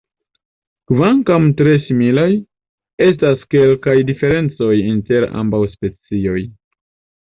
Kvankam tre similaj, estas kelkaj diferencoj inter ambaŭ specioj.